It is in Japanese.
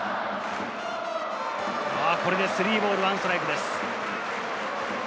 これで３ボール１ストライクです。